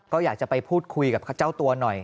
ก็อยากจะไปพูดคุยกับเจ้าตัวหน่อย